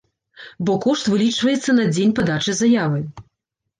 Бо кошт вылічваецца на дзень падачы заявы.